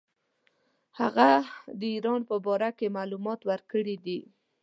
هغه د ایران په باره کې معلومات ورکړي دي.